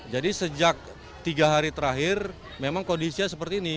jadi sejak tiga hari terakhir memang kondisinya seperti ini